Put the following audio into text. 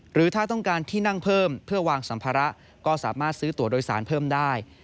หรือถ้าต้องการที่นั่งเพิ่มเพื่อวางสัมภาระก็สามารถซื้อตัวโดยสารเพิ่มได้